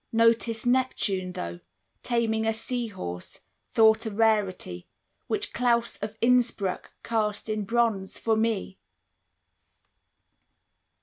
Notice Neptune, though, Taming a sea horse, thought a rarity, Which Claus of Innsbruck cast in bronze for me!